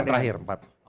yang terakhir empat